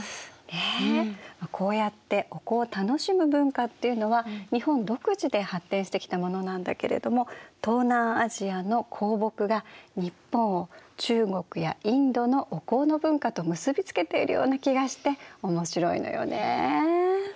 ねえこうやってお香を楽しむ文化っていうのは日本独自で発展してきたものなんだけれども東南アジアの香木が日本を中国やインドのお香の文化と結び付けているような気がして面白いのよね。